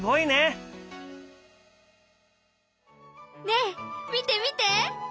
ねえ見て見て！